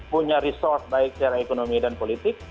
punya resource baik secara ekonomi dan politik